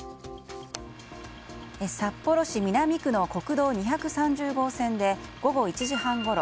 札幌市南区の国道２３０号線で午後１時半ごろ